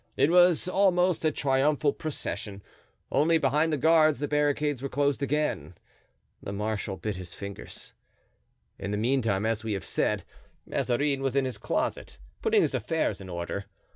It was almost a triumphal procession; only, behind the guards the barricades were closed again. The marshal bit his fingers. In the meantime, as we have said, Mazarin was in his closet, putting his affairs in order.